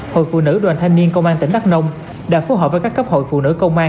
hội phụ nữ đoàn thanh niên công an tỉnh đắk nông đã phối hợp với các cấp hội phụ nữ công an